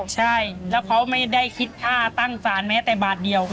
ใช่แล้วเขาไม่ได้คิดค่าตั้งสารแม้แต่บาทเดียว